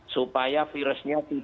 supaya virusnya tidak kelihatan